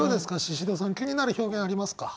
シシドさん気になる表現ありますか？